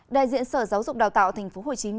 đại diện sở giáo dục đào tạo tp hcm